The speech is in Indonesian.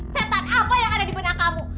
setan apa yang ada di benak kamu